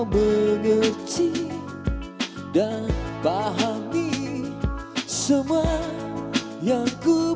dengarkanlah dan hidup takkan semudah kakira